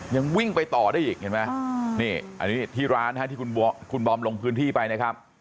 ยังวิ่งไปต่อได้อีกเห็นไหมนี่อันนี้ที่ร้านนะฮะที่คุณบอมลงพื้นที่ไปนะครับ